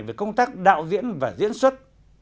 về công tác đạo diễn và diễn xuất